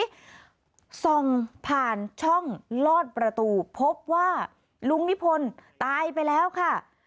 ที่ส่องผ่านช่องลอดประตูพบว่าลุงนิพนธ์ตายไปแล้วค่ะ